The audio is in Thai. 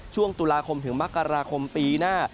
ช่วงตุลาคมถึงมกราคมปีหน้า